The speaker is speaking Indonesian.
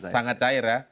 sangat cair ya